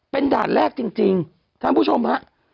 เป็นด่านแรกจริงท่านผู้ชมฮะ